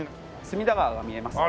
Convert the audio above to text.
隅田川が見えます。